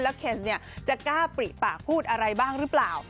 และเคนจะกล้าปลีกประหลาดพูดอะไรหรือเปล่า